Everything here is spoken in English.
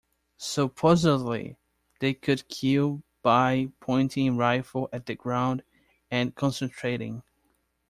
Supposedly, they could kill by pointing a rifle at the ground and concentrating.